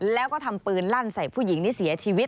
แล้วก็ทำปืนลั่นใส่ผู้หญิงที่เสียชีวิต